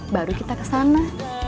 baru kita kesana